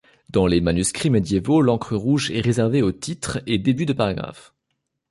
Dans les manuscrits médiévaux, l'encre rouge est réservée aux titres et débuts de paragraphe.